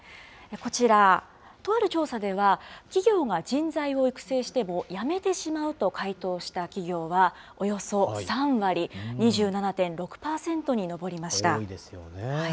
こちら、とある調査では、企業が人材を育成しても辞めてしまうと回答した企業は、およそ３多いですよね。